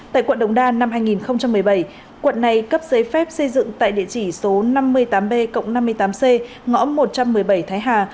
tại quận đống đa năm hai nghìn một mươi bảy quận này cấp giấy phép xây dựng tại địa chỉ số năm mươi tám b cộng năm mươi tám c ngõ một trăm một mươi bảy thái hà